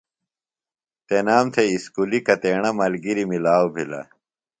ݨ تنام تھےۡ اُسکُلیۡ کتیݨہ ملگِریۡ ملاؤ بِھلہ؟